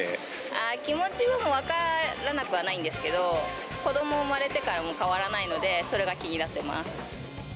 あー、気持ちは分からなくはないんですけど、子ども生まれてからも変わらないので、それが気になってます。